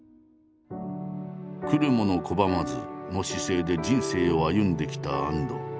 「来る者拒まず」の姿勢で人生を歩んできた安藤。